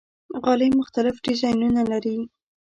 غالۍ مختلف ډیزاینونه لري.